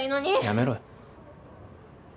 やめろよ。